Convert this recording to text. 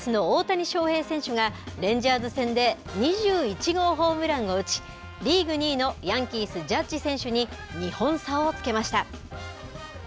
エンジェルスの大谷翔平選手がレンジャーズ戦で２１号ホームランを打ちリーグ２位のヤンキース、ジャッジ選手に２本差をつけました。